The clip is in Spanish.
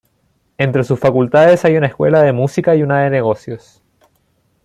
Entre sus facultades hay una escuela de música y una de negocios.